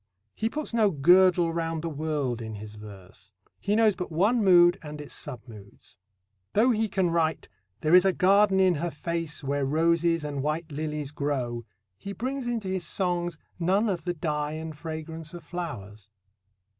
He puts no girdle round the world in his verse. He knows but one mood and its sub moods. Though he can write There is a garden in her face, Where roses and white lilies grow, he brings into his songs none of the dye and fragrance of flowers.